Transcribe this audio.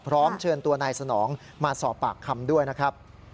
พร้อมเชิญตัวนายสนองมาสอบปากคำด้วยนะครับ